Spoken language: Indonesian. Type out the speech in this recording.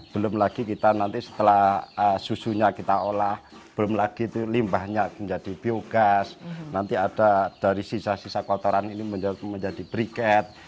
belum lagi kita nanti setelah susunya kita olah belum lagi limbahnya menjadi biogas nanti ada dari sisa sisa kotoran ini menjadi briket